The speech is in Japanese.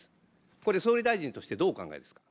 これ、総理大臣としてどうお考えですか。